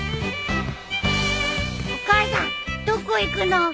どこ行くの？